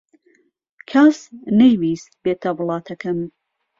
کەس نەیویست بێتە وڵاتەکەم.